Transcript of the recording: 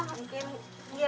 mak habis itu nanti teteh